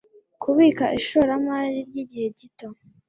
kubika ishoramari ryigihe gito